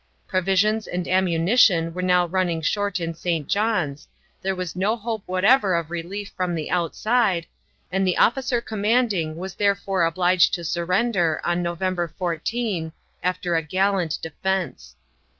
Provisions and ammunition were now running short in St. John's, there was no hope whatever of relief from the outside, and the officer commanding was therefore obliged to surrender on November 14, after a gallant defense.